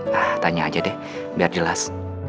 nah tanya aja deh biar jelas